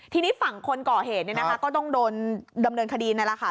ทีนี้ฝั่งคนก่อเหตุก็ต้องโดนดำเนินคดีในราคา